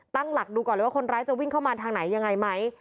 ตั้งหลักดูก่อนเลยว่าคนร้ายจะวิ่งเข้ามาทางไหนยังไงไหม